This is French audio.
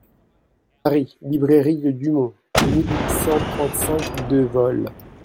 Paris, Librairie de Dumont, mille huit cent trente-cinq, deux vol.